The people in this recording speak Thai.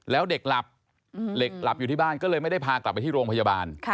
แล้วเด็กหลับเด็กหลับอยู่ที่บ้านก็เลยไม่ได้พากลับไปที่โรงพยาบาล